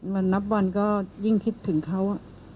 นับวันก็ยิ่งคิดถึงเขา